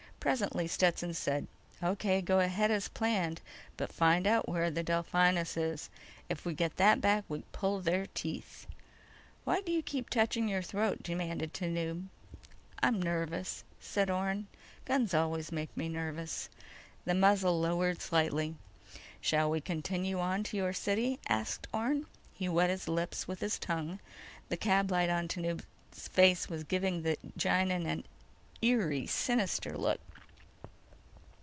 Presently, Stetson said: "O.K. Go ahead as planned. But find out where the Delphinus is! If we get that back we pull their teeth." "Why do you keep touching your throat?" demanded Tanub. "I'm nervous," said Orne. "Guns always make me nervous." The muzzle lowered slightly. "Shall we continue on to your city?" asked Orne. He wet his lips with his tongue. The cab light on Tanub's face was giving the Gienahn an eerie sinister look.